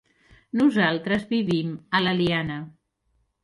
Nosaltres vivim a l'Eliana.